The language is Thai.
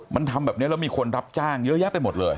มันทำแบบนี้แล้วมีคนรับจ้างเยอะแยะไปหมดเลย